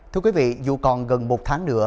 thưa quý vị dù còn gần một tháng nữa